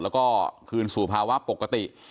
แล้วก็คืนสู่ภาวะปกติ